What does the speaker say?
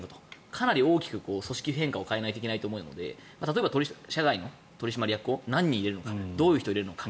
かなり大きく組織変化を変えないといけないと思うので例えば社外の取締役を何人入れるのかどういう人を入れるのか。